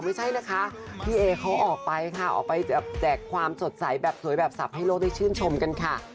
ไม่ใช่นะคะพี่เอเขาออกไปค่ะออกไปแจกความสดใสแบบสวยแบบสับให้โลกได้ชื่นชมกันค่ะ